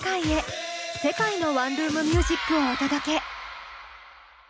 世界の「ワンルーム☆ミュージック」をお届け。